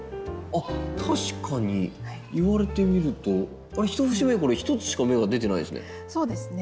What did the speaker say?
確かに言われてみると１節目は１つしか芽が出てないですね。